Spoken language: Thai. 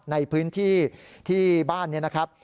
ในพื้นที่ที่บ้านเนี่ยนะครับ